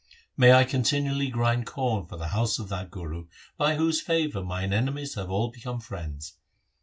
May I continually grind corn for the house of that Guru By whose favour mine enemies have all become friends